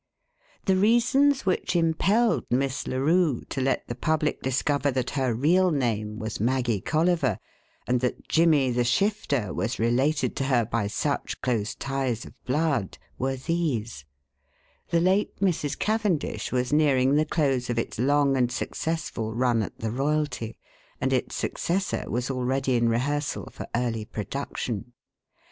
The reasons which impelled Miss Larue to let the public discover that her real name was Maggie Colliver, and that "Jimmy the Shifter" was related to her by such close ties of blood, were these: The Late Mrs. Cavendish was nearing the close of its long and successful run at the Royalty, and its successor was already in rehearsal for early production.